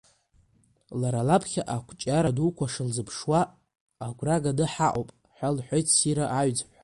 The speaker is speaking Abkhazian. Лара лаԥхьаҟа ақәҿиара дуқәа шылзыԥшу агәра ганы ҳаҟоуп, ҳәа лҳәеит Сира Аҩӡԥҳа.